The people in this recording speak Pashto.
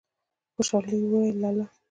خوشالی يې وويل: لا لا!